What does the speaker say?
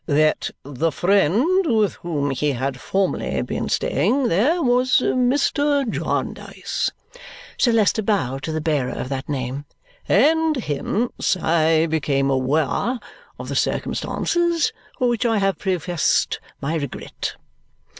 " That the friend with whom he had formerly been staying there was Mr. Jarndyce." Sir Leicester bowed to the bearer of that name. "And hence I became aware of the circumstance for which I have professed my regret.